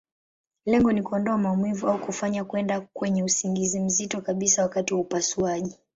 Lengo ni kuondoa maumivu, au kufanya kwenda kwenye usingizi mzito kabisa wakati wa upasuaji.